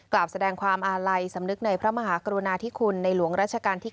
กราบแสดงความอาลัยสำนึกในพระมหากรุณาธิคุณในหลวงราชการที่๙